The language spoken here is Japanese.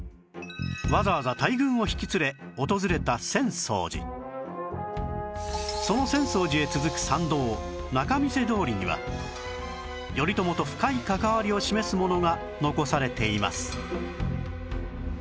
わざわざその浅草寺へ続く参道仲見世通りには頼朝と深い関わりを示すものが残されています